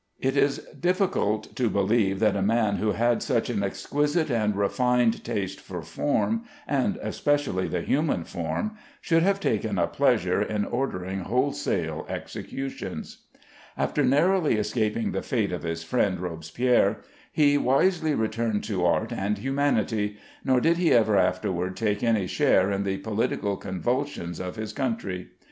It is difficult to believe that a man who had such an exquisite and refined taste for form (and especially the human form) should have taken a pleasure in ordering wholesale executions. After narrowly escaping the fate of his friend Robespierre, he wisely returned to art and humanity; nor did he ever afterward take any share in the political convulsions of his country.